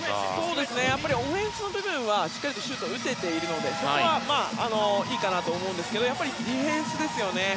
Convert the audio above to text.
オフェンスの部分はしっかりシュートが打てているのでそこは、いいかなと思いますがやっぱりディフェンスですよね。